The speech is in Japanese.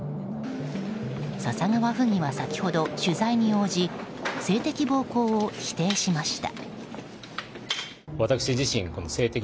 笹川府議は先ほど、取材に応じ性的暴行を否定しました。